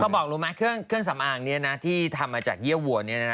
บอกรู้ไหมเครื่องสำอางนี้นะที่ทำมาจากเยี่ยวัว